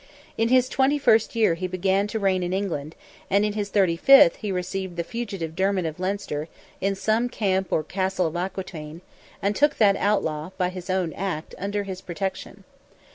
In his twenty first year he began to reign in England, and in his thirty fifth he received the fugitive Dermid of Leinster, in some camp or castle of Aquitaine, and took that outlaw, by his own act, under his protection.